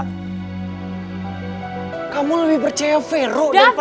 kamu lebih percaya vero